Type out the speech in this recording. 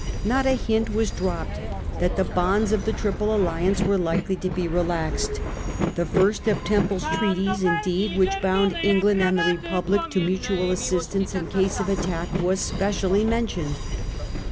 Not a hint was dropped that the bonds of the Triple Alliance were likely to be relaxed ; the first of Temple's treaties indeed, which bound England and the Republic to mutual assistance in case of attack, was specially mentioned.